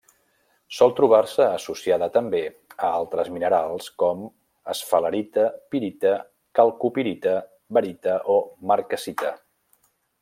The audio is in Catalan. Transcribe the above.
Sol trobar-se associada també a altres minerals com: esfalerita, pirita, calcopirita, barita o marcassita.